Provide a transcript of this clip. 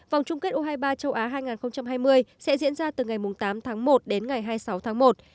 vòng chung kết u hai mươi ba châu á hai nghìn hai mươi sẽ diễn ra từ ngày tám tháng một đến ngày hai mươi sáu tháng một